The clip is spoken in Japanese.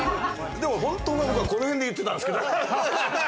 でも本当は僕はこのへんに言ってたんですけれど。